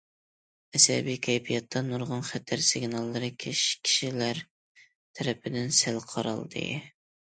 ئەسەبىي كەيپىياتتا، نۇرغۇن خەتەر سىگناللىرى كىشىلەر تەرىپىدىن سەل قارالدى.